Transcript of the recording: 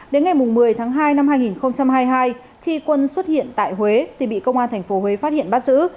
đến ngày một mươi tháng hai năm hai nghìn hai mươi hai khi quân xuất hiện tại huế thì bị công an tp huế phát hiện bắt giữ